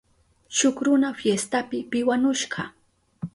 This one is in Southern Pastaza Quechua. Shuk runa fiestapi piwanushka.